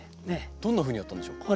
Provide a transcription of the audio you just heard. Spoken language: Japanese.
どんなふうにやったんでしょうか？